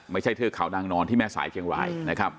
เทือกเขานางนอนที่แม่สายเชียงรายนะครับ